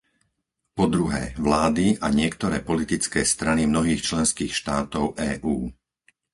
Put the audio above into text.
Po druhé, vlády a niektoré politické strany mnohých členských štátov EÚ.